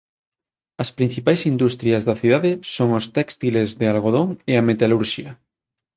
As principais industrias da cidade son os téxtiles de algodón e a metalurxia.